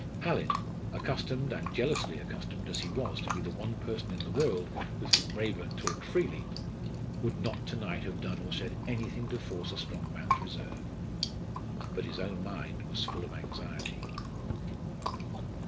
Hallin, accustomed and jealously accustomed as he was to be the one person in the world with whom Raeburn talked freely, would not to night have done or said anything to force a strong man's reserve. But his own mind was full of anxiety.